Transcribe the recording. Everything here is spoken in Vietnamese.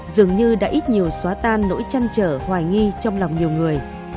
dường như đã ít nhiều xóa tan nỗi trăn trở hoài nghi trong lòng nhiều người